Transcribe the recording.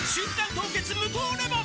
凍結無糖レモン」